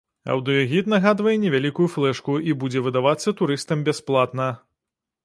Аўдыёгід нагадвае невялікую флэшку і будзе выдавацца турыстам бясплатна.